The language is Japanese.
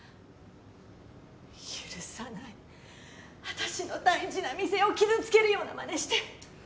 私の大事な店を傷つけるようなまねして